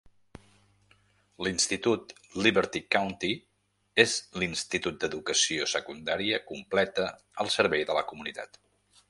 L'institut Liberty County és l'institut d'educació secundària completa al servei de la comunitat.